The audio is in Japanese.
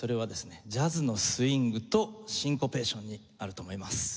ジャズのスウィングとシンコペーションにあると思います。